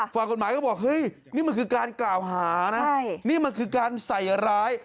ก็บอกว่านี่มันคือการกล่าวหานะนี่มันคือการใส่ร้าย